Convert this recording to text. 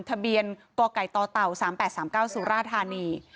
ทะเบียนกไก่ต่อเต่า๓๘๓๙สุราธานี